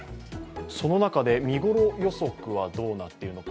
その中で見頃予測はどうなっているのか。